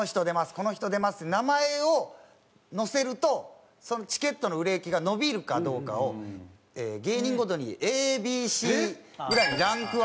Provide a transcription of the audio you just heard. この人出ます」って名前を載せるとそのチケットの売れ行きが伸びるかどうかを芸人ごとにＡＢＣぐらいにランク分け。